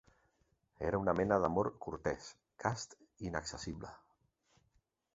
Era una mena d'amor cortès, cast i inaccessible.